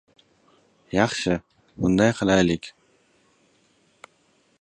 — Yaxshisi, bunday qilaylik.